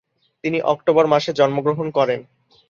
তিনি অক্টোবর মাসে জন্মগ্রহণ করেন।